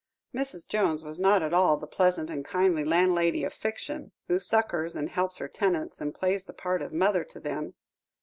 Mrs. Jones was not at all the pleasant and kindly landlady of fiction, who succours and helps her tenants, and plays the part of mother to them.